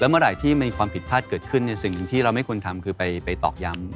เมื่อไหร่ที่มีความผิดพลาดเกิดขึ้นสิ่งที่เราไม่ควรทำคือไปตอกย้ำ